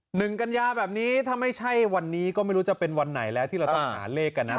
หนึ่งกันยาแบบนี้ถ้าไม่ใช่วันนี้ก็ไม่รู้จะเป็นวันไหนแล้วที่เราต้องหาเลขกันนะครับ